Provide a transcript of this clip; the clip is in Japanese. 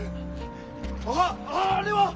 あっあれは！